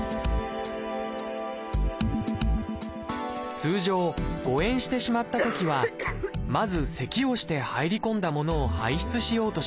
通常誤えんしてしまったときはまずせきをして入り込んだものを排出しようとします。